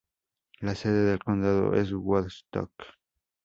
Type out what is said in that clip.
La sede del condado es Woodstock.